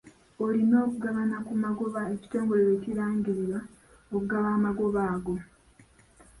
Olina okugabana ku magoba ekitongole lwe kirangirira okugaba amagoba ago.